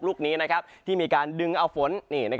ลูกนี้ที่มีการดึงเอาฝน